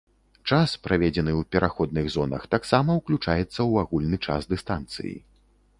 Час, праведзены ў пераходных зонах, таксама ўключаецца ў агульны час дыстанцыі.